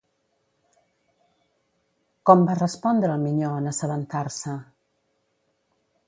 Com va respondre el minyó en assabentar-se?